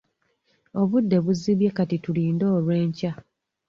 Obudde buzibye kati tulinde olw'enkya.